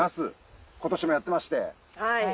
今年もやってまして。